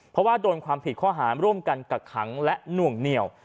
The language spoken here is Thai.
เพราะว่าโดนความผิดข้อหารร่วมกันกักขังและหน่วงเหนียว